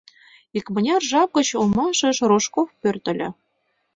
Икмыняр жап гыч омашыш Рожков пӧртыльӧ.